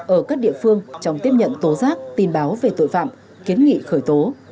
ở các địa phương trong tiếp nhận tố giác tin báo về tội phạm kiến nghị khởi tố